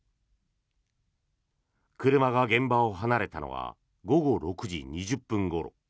車が現場を離れたのは午後６時２０分ごろ。